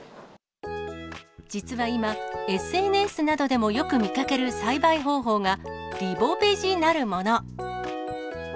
実は今、ＳＮＳなどでもよく見かける栽培方法が、リボベジなるもの。